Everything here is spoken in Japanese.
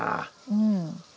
うん。